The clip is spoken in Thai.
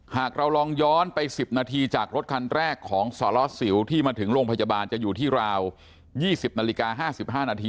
หากเราลองย้อนไป๑๐นาทีจากรถคันแรกของสรสิวที่มาถึงโรงพยาบาลจะอยู่ที่ราว๒๐นาฬิกา๕๕นาที